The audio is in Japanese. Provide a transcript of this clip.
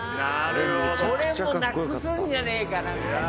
「これもなくすんじゃねえかなみたいな」